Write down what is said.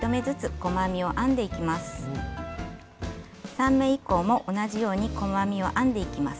３目以降も同じように細編みを編んでいきます。